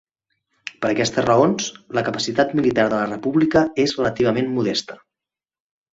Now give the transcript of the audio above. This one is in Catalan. Per aquestes raons, la capacitat militar de la república és relativament modesta.